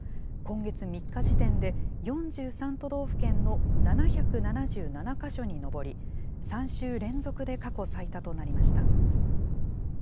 今月３日時点で４３都道府県の７７７か所に上り、３週連続で過去最多となりました。